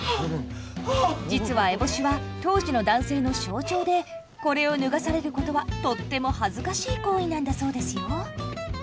実は烏帽子は当時の男性の象徴でこれを脱がされることはとっても恥ずかしい行為なんだそうですよ。